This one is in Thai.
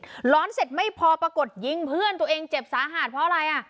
หลอนเสร็จไม่พอปรากฏยิงเพื่อนตัวเองเจ็บสาหัสเพราะอะไรอ่ะ